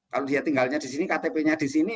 kalau dia tinggalnya di sini ktp nya di sini